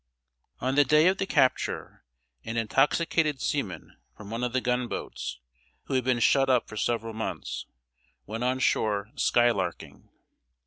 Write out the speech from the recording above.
] On the day of the capture, an intoxicated seaman from one of the gun boats, who had been shut up for several months, went on shore "skylarking."